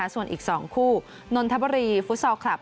ส่วนอีก๒คู่นนทบุรีฟุตซอลคลับ